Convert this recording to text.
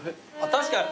確かに。